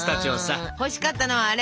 あ欲しかったのはアレ。